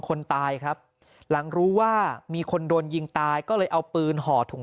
คนตายครับหลังรู้ว่ามีคนโดนยิงตายก็เลยเอาปืนห่อถุง